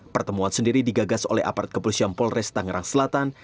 pertemuan sendiri digagas oleh aparat kepolisian polres tangerang selatan